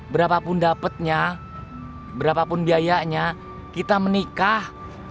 berapapun dapatnya berapapun biayanya kita menikah